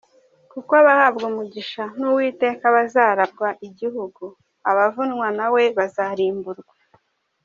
Kuko abahabwa umugisha n’Uwiteka bazaragwa igihugu, Abavunwa na we bazarimburwa.